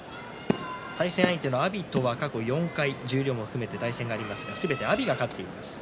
対戦相手の阿炎は過去４回十両も含め対戦がありますがすべて阿炎が勝っています。